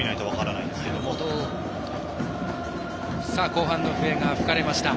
後半の笛が吹かれました。